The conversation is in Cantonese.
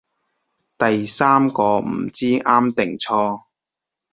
第三個唔知啱定錯